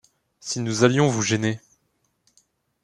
Si nous allions vous gêner...